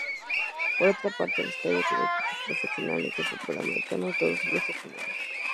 Por otra parte, el estadio tuvo equipos profesionales de fútbol americano, todos ellos efímeros.